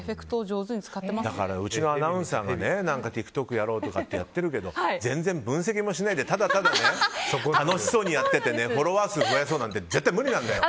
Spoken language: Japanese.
うちのアナウンサーがＴｉｋＴｏｋをやろうとか言ってやってるけど全然分析もしないでただただ楽しそうにやっててフォロワー数を増やそうなんて絶対無理なんだよ！